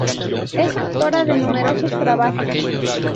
Es autora de numerosos trabajos.